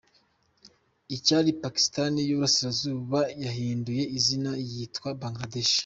Icyari Pakistan y’uburasirazuba yahinduye izina yitwa Bangladesh.